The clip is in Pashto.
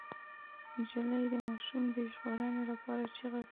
نجلۍ د ماشوم د ژغورنې لپاره چيغه کړه.